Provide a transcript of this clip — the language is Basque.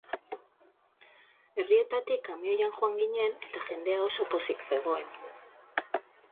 Herrietatik kamioian joan ginen eta jendea oso pozik zegoen.